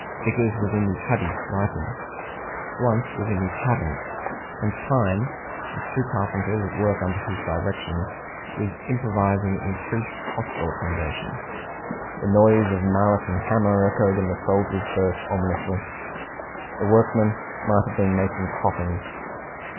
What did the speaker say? Vickers was in the cuddy writing; Blunt was in his cabin; and Pine, with two carpenters at work under his directions, was improvising increased hospital accommodation. The noise of mallet and hammer echoed in the soldiers' berth ominously; the workmen might have been making coffins.